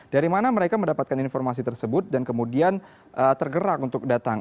dari mana mereka mendapatkan informasi tersebut dan kemudian tergerak untuk datang